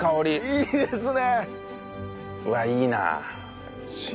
いいですね！